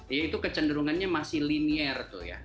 yaitu kecenderungannya masih linear tuh ya